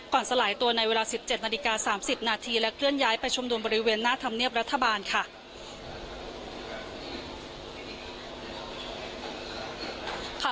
สลายตัวในเวลา๑๗นาฬิกา๓๐นาทีและเคลื่อนย้ายไปชุมนุมบริเวณหน้าธรรมเนียบรัฐบาลค่ะ